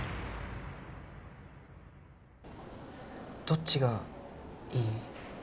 どっちがいい？